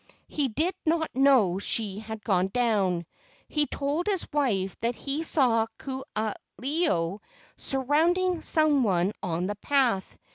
He did not know she had gone down. He told his wife that he saw Ku aha ilo surrounding some¬ one on the path.